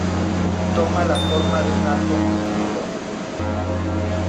Toma la forma de un arco multicolor.